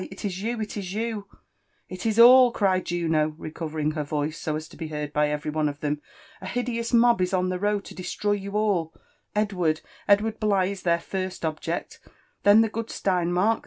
— It is you ! it is you 1" U is all/' pried Juno, recovering her vojce so as (o be hoard hy A¥ery one of thom ;?^ a hideous mob is oq the road to destroy yoii all \ Bdward. Edward Bligh is their first object— then the good gleiniiȤL?